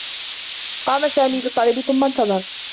قام سامي بالطّلب ثم انتظر.